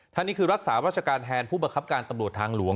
นี่คือรักษาราชการแทนผู้บังคับการตำรวจทางหลวง